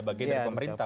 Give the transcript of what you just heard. bagian dari pemerintah